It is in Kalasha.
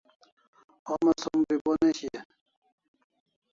Homa som bribo ne shian